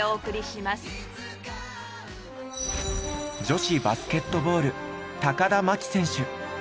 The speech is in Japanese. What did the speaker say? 女子バスケットボール田真希選手。